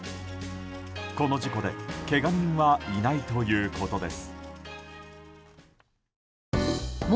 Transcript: この事故でけが人はいないということです。